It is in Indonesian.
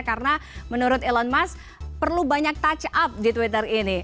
karena menurut elon musk perlu banyak touch up di twitter ini